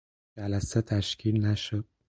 جلسه تشکیل نشد.